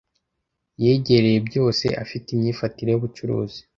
Yegereye byose afite imyifatire yubucuruzi.